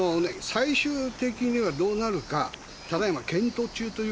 最終的にはどうなるかただいま検討中ということですから。